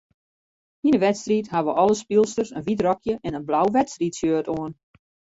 Yn 'e wedstriid hawwe alle spylsters in wyt rokje en in blau wedstriidshirt oan.